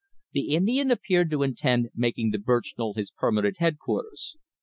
The Indian appeared to intend making the birch knoll his permanent headquarters.